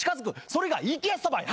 それが生きやすさばい！